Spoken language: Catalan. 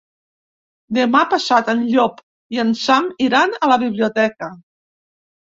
Demà passat en Llop i en Sam iran a la biblioteca.